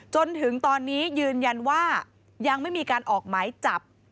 จนถึงตอนนี้ยืนยันว่ายังไม่มีการออกหมายจับ